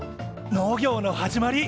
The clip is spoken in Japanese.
農業の始まり！